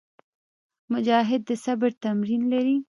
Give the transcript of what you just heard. مجاهد د صبر تمرین لري.